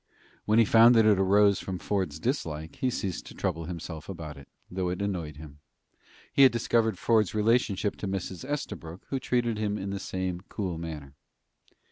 When he found that it arose from Ford's dislike, he ceased to trouble himself about it, though it annoyed him. He had discovered Ford's relationship to Mrs. Estabrook, who treated him in the same cool manner.